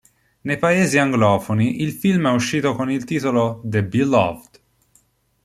Nei paesi anglofoni il film è uscito con il titolo "The Beloved".